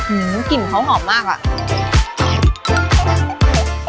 หื้อกลิ่นเขาหอมมากอะ